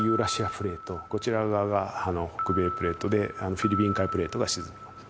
プレートこちら側が北米プレートでフィリピン海プレートが沈んでます。